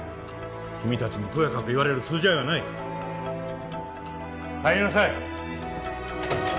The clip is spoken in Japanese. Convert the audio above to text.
君達にとやかく言われる筋合いはない帰りなさい！